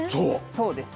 そうです。